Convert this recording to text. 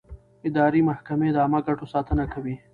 اداري محکمې د عامه ګټو ساتنه کوي.